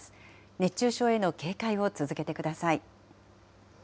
熱中症への警戒を続けてください。